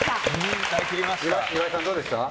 岩井さん、どうでした？